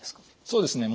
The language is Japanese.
そうですね。